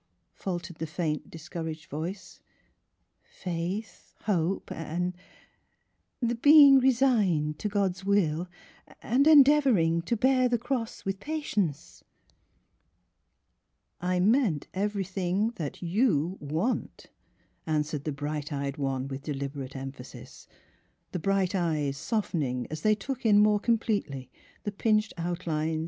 faltered the faint, discouraged voice; "faith, hope and — and — the — the being resigned to God's will, and — and endeavoring to bear the cross w^ith patience/' "I meant everything that you want,'* answered the bright eyed one with deliberate emphasis, the bright eyes soft ening as they took in more completely the pinched out lines